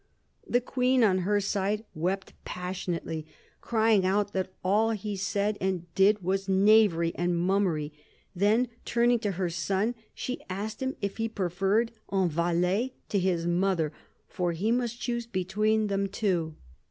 The Queen, on her side, wept passionately, crying out that all he said and did was knavery and mummery. Then, turning :to her son, she asked him if he preferred " un valet" to his mother; for he must choose between them two.